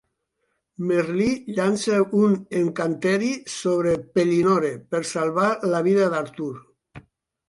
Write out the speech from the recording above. Merlí llança un encanteri sobre Pellinore per salvar la vida d'Artur.